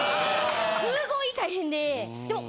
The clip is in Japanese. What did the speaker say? すごい大変で。